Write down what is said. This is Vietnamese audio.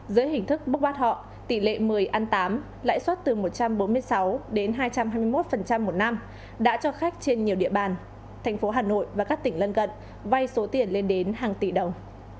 dưới hình thức bốc bắt họ tỷ lệ một mươi ăn tám lãi suất từ một trăm bốn mươi sáu đến hai trăm hai mươi một một năm đã cho khách trên nhiều địa bàn thành phố hà nội và các tỉnh lân cận vay số tiền lên đến hàng tỷ đồng